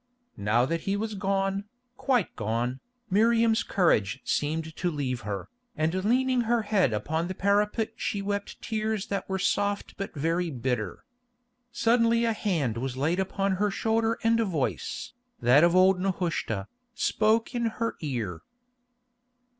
Now that he was gone, quite gone, Miriam's courage seemed to leave her, and leaning her head upon the parapet she wept tears that were soft but very bitter. Suddenly a hand was laid upon her shoulder and a voice, that of old Nehushta, spoke in her ear.